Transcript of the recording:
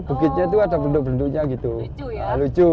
bukitnya itu ada benduk benduknya gitu lucu ya lucu